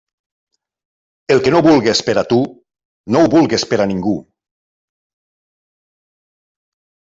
El que no vulgues per a tu, no ho vulgues per a ningú.